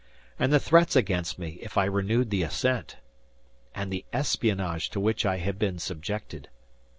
And the threats against me if I renewed the ascent! And the espionage to which I had been subjected!